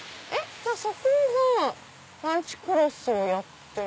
じゃあそこがランチクロスをやってる。